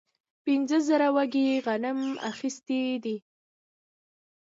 پنځه زره وږي غنم اخیستي دي.